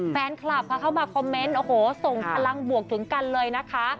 แฟนคลับค่ะเข้ามาคอมเมนต์โอ้โหส่งพลังบวกถึงกันเลยนะคะ